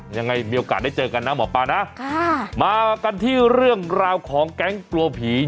ยังไงมีโอกาสได้เจอกันนะหมอปลานะค่ะมากันที่เรื่องราวของแก๊งกลัวผี